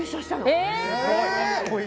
すごい。